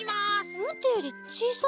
おもったよりちいさいな。